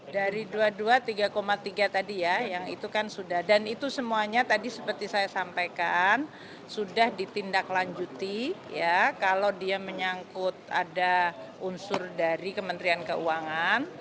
dari dua puluh dua tiga tadi ya yang itu kan sudah dan itu semuanya tadi seperti saya sampaikan sudah ditindaklanjuti kalau dia menyangkut ada unsur dari kementerian keuangan